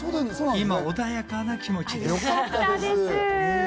今穏やかな気持ちです。